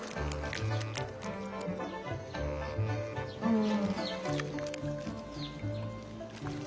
うん。